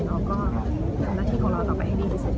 เราก็ทำหน้าที่ของเราต่อไปให้ดีที่สุด